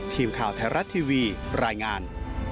ทีมข่าวไทยรัฐทีวีรายงาน